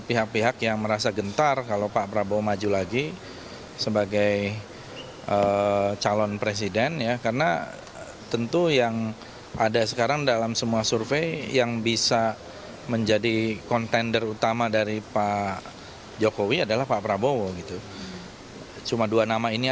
wakil ketua dpr ri fadlizon mengatakan prabowo masih menjadi pesaing teratas bagi jokowi